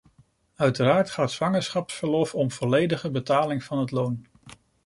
Uiteraard gaat zwangerschapsverlof om volledige betaling van het loon.